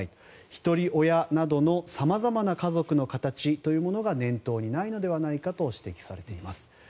ひとり親などの様々な家族の形というのが念頭にないのではないかと指摘されています。